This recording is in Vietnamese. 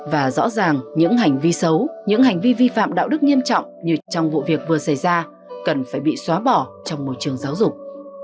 và rõ ràng những hành vi xấu những hành vi vi phạm đạo đức nghiêm trọng như trong vụ việc vừa xảy ra cần phải bị xóa bỏ trong môi trường giáo dục